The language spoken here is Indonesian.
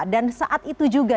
dan saat itu juga